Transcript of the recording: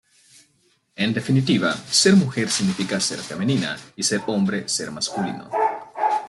En definitiva, ser mujer significa ser femenina y ser hombre, ser masculino.